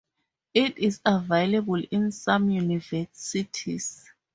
It is available in some universities.